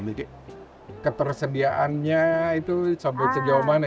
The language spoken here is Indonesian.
mungkin ketersediaannya itu sampai sejauh mana